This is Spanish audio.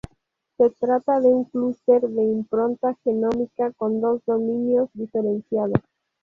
Se trata de un clúster de impronta genómica con dos dominios diferenciados.